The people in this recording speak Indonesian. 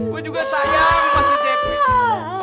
gue juga sayang sama si cepi